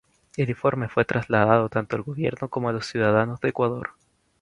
El informe fue trasladado tanto al gobierno como a los ciudadanos de Ecuador.